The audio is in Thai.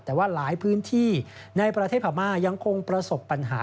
แต่ว่าหลายพื้นที่ในประเทศพม่ายังคงประสบปัญหา